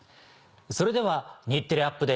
それでは『日テレアップＤａｔｅ！』